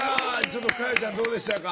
ちょっと佳代ちゃんどうでしたか？